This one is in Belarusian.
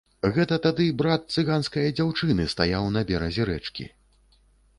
Гэта тады брат цыганскае дзяўчыны стаяў на беразе рэчкі.